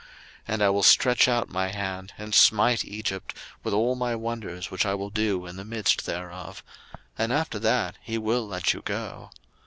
02:003:020 And I will stretch out my hand, and smite Egypt with all my wonders which I will do in the midst thereof: and after that he will let you go.